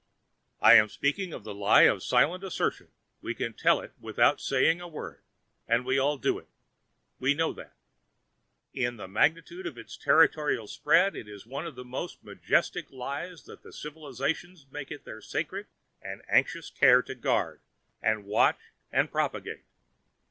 I am speaking of the lie of silent assertion; we can tell it without saying a word, and we all do it—we that know. In the magnitude of its territorial spread it is one of the most majestic lies that the civilisations make it their sacred and anxious care to guard and watch and propagate.